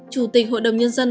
chủ tịch hội đồng nhân dân